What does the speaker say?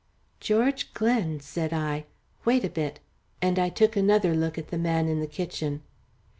"George Glen!" said I. "Wait a bit," and I took another look at the man in the kitchen.